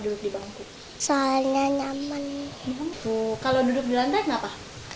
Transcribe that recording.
duduk di bangku saya nyaman bangku kalau duduk di lantai kenapa